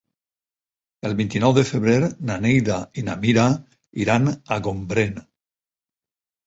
El vint-i-nou de febrer na Neida i na Mira iran a Gombrèn.